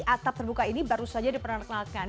atap terbuka ini baru saja diperkenalkan